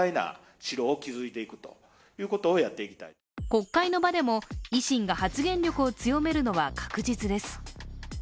国会の場でも維新が発言力を強めるのは確実です。